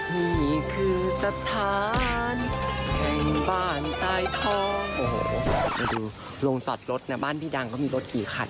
นี่คือสถานแห่งบ้านสายทองโอ้โหไปดูโรงจอดรถนะบ้านพี่ดังเขามีรถกี่คัน